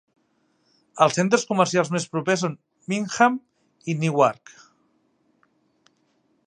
Els centres comercials més propers són Bingham i Newark.